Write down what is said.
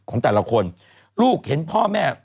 ของแต่ละคนลูกเห็นพ่อแม่